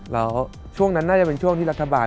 แล้วช่วงนั้นน่าจะเป็นช่วงที่รัฐบาล